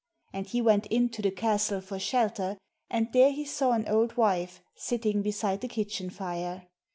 And he went in to the castle for shelter, and there he saw an old wife sitting beside the kitchen fire.